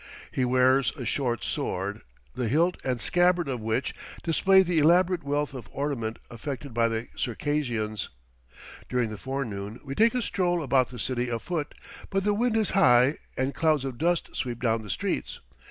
He wears a short sword, the hilt and scabbard of which display the elaborate wealth of ornament affected by the Circassians. During the forenoon we take a stroll about the city afoot, but the wind is high, and clouds of dust sweep down the streets.